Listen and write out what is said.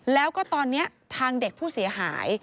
แล้วก็ตอนนี้ทางเด็กผู้เสียหาย